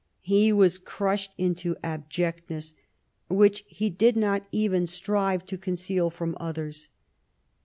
He was crushed into abject ness, which he did not even strive to conceal from others.